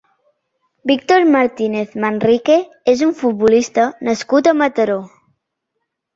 Víctor Martínez Manrique és un futbolista nascut a Mataró.